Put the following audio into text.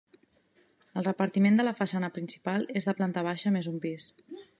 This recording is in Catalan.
El repartiment de la façana principal és de planta baixa més un pis.